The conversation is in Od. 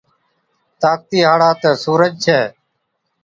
طاقتِي هاڙا تہ سُورج ڇَي۔